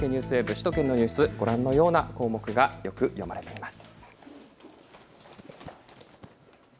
首都圏のニュース、ご覧のような項目がよく読まれています。